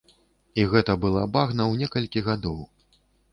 І гэта была багна ў некалькі гадоў.